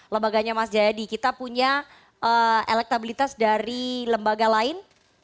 lembaganya mas jayadi kita punya elektabilitas dari lembaga lain